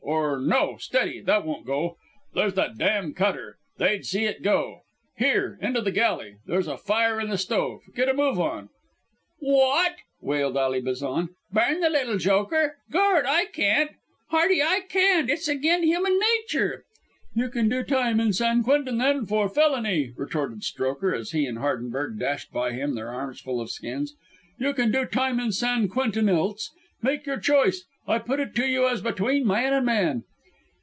or no. Steady! That won't do. There's that dam' cutter. They'd see it go. Here! into the galley. There's a fire in the stove. Get a move on!" "Wot!" wailed Ally Bazan. "Burn the little joker. Gord, I can't, Hardy, I can't. It's agin human nature." "You can do time in San Quentin, then, for felony," retorted Strokher as he and Hardenberg dashed by him, their arms full of the skins. "You can do time in San Quentin else. Make your choice. I put it to you as between man and man."